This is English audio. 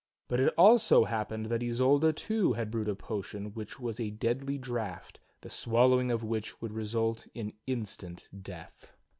But it also happened that Isolda too had brewed a potion which was a deadly draught, the swallowing of which would result in instant death.